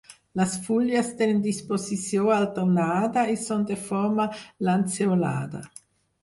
Les fulles tenen disposició alternada i són de forma lanceolada.